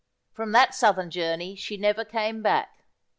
From that southern journey she never came back.